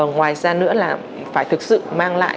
ngoài ra nữa là phải thực sự mang lại